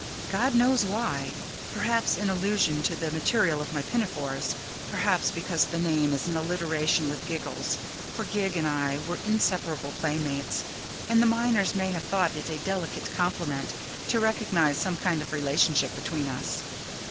God knows why; perhaps in allusion to the material of my pinafores; perhaps because the name is in alliteration with "Giggles," for Gig and I were inseparable playmates, and the miners may have thought it a delicate compliment to recognize some kind of relationship between us.